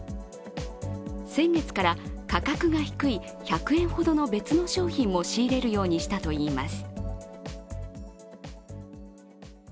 先月から、価格が低い１００円ほどの別の商品も仕入れるようにしたといいます。